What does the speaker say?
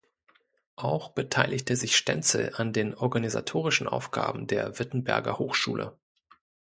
Auch beteiligte sich Stenzel an den organisatorischen Aufgaben der Wittenberger Hochschule.